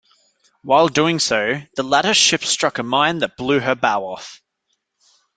While doing so, the latter ship struck a mine that blew her bow off.